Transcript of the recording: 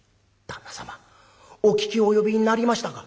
「旦那様お聞き及びになりましたか？」。